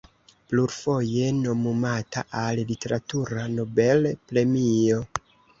Plurfoje nomumata al literatura Nobel-premio.